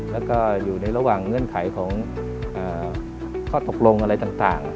แล้วก็อยู่ในระหว่างเงื่อนไขของข้อตกลงอะไรต่าง